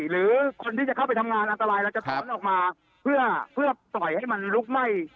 หรือคนที่จะเข้าไปทำงานอันตรายเราจะถอนออกมาเพื่อปล่อยให้มันลุกไหม้